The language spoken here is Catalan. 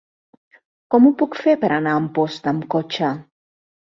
Com ho puc fer per anar a Amposta amb cotxe?